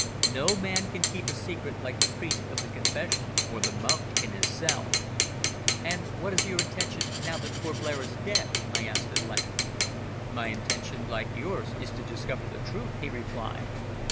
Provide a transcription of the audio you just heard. No man can keep a secret like the priest of the confessional, or the monk in his cell. "And what is your intention, now that poor Blair is dead?" I asked at length. "My intention, like yours, is to discover the truth," he replied.